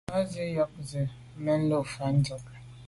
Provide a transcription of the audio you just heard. Á yɔ́k gə̀ sɔ̌k ŋká zə̄ mɛ́n lû fáŋ ndá ŋkɔ̀k.